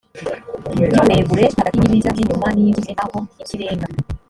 by uburebure buri hagati y ibiziga by inyuma n ib y imbere naho ikirenga